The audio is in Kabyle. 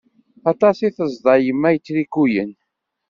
Aṭas i tezḍa yemma n yitrikuyen.